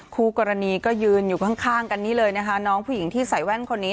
คู่กรณีก็ยืนอยู่ข้างข้างกันนี้เลยนะคะน้องผู้หญิงที่ใส่แว่นคนนี้